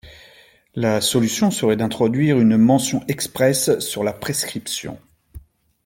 La solution serait d’introduire une mention expresse sur la prescription.